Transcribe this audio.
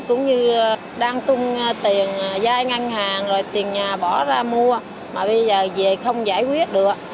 cũng như đang tung tiền giai ngăn hàng tiền nhà bỏ ra mua mà bây giờ về không giải quyết được